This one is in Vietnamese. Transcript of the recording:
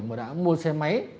mà đã mua xe máy